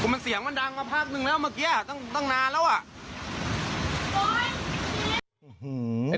มันเสียงมันดังมาพักนึงแล้วเมื่อกี้ตั้งนานแล้วอ่ะ